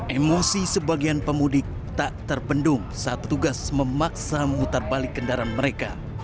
emosi sebagian pemudik tak terpendung saat petugas memaksa memutar balik kendaraan mereka